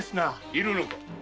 居るのか？